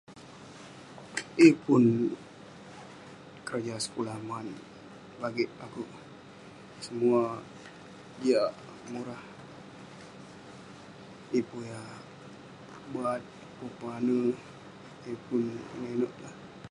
Yeng pun keroja sekulah man bagik akouk..semua jiak, murah..yeng pun yah bat..yeng pun pane, yeng pun inouk inouk lah..